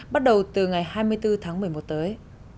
bắt đầu từ ngày hai mươi bốn tháng một mươi một tới